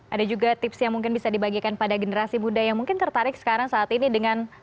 ada juga tips yang mungkin bisa dibagikan pada generasi muda yang mungkin tertarik sekarang saat ini dengan